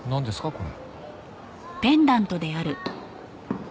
これ。